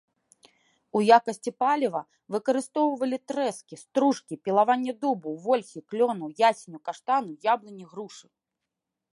У якасці палівалі выкарыстоўвалі трэскі, стружкі, пілаванне дубу, вольхі, клёну, ясеню, каштану, яблыні, грушы.